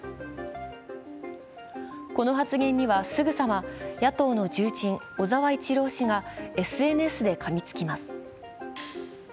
この発言には、すぐさま野党の重鎮・小沢一郎氏がＳＮＳでかみつきます。